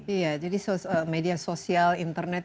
iya jadi media sosial internet